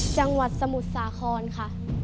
จังหวัดสมุทรสาครค่ะ